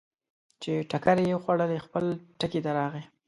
چې ټکرې یې وخوړلې، خپل ټکي ته راغی.